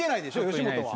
吉本は。